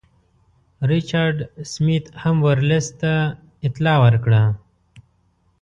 ریچارډ سمیت هم ورلسټ ته اطلاع ورکړه.